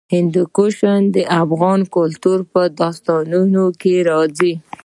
هندوکش د افغان کلتور په داستانونو کې راځي.